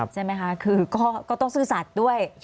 ใช่ไหมคะคือก็ต้องซื่อสัตว์ด้วย